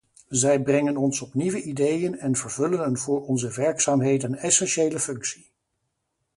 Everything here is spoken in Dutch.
Zij brengen ons op nieuwe ideeën en vervullen een voor onze werkzaamheden essentiële functie.